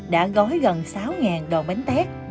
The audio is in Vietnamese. đã gói gần sáu đòn bánh tét